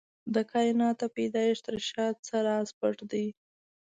د کائناتو د پيدايښت تر شا څه راز پټ دی؟